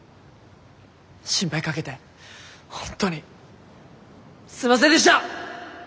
心配かけて本当にすいませんでした。